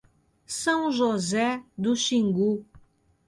São José do Xingu